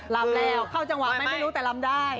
ลำแล้วเข้าจังหวะไหมไม่รู้แต่ลำได้